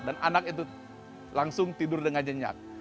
dan anak itu langsung tidur dengan jenjak